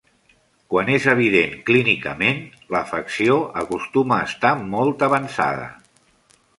Quan és evident clínicament, l'afecció acostuma a estar molt avançada.